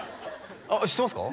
あっ知ってますか？